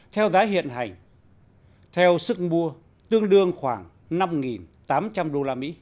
theo giá hiện hành theo sức mua tương đương khoảng năm tám trăm linh usd